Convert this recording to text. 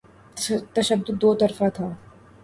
تشدد دوطرفہ تھا۔